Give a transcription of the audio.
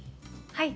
はい！